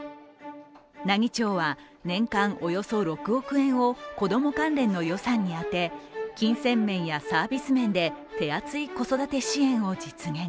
奈義町は、年間およそ６億円を子供関連の予算に充て、金銭面やサービス面で手厚い子育て支援を実現。